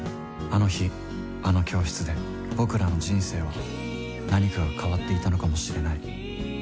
あの日、あの教室で、僕らの人生は何かが変わっていたのかもしれない。